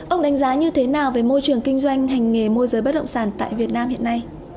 ông đánh giá như thế nào về môi trường kinh doanh hành nghề môi giới bất động sản tại việt nam hiện nay